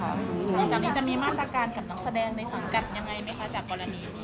นอกจากนี้จะมีมาตรการกับนักแสดงในสังกัดยังไงไหมคะจากกรณีนี้